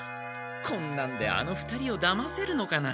こんなんであの２人をだませるのかな？